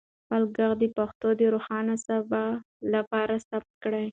خپل ږغ د پښتو د روښانه سبا لپاره ثبت کړئ.